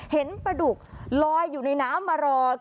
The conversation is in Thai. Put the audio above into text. เห็นประดุลอยอยู่ในน้ำมารอรับขนมปัง